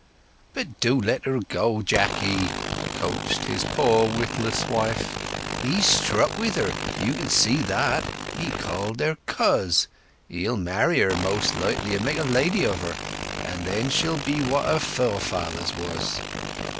"But do let her go, Jacky," coaxed his poor witless wife. "He's struck wi' her—you can see that. He called her Coz! He'll marry her, most likely, and make a lady of her; and then she'll be what her forefathers was."